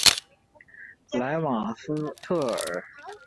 莱瓦斯特尔。